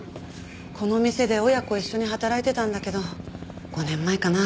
この店で親子一緒に働いてたんだけど５年前かな？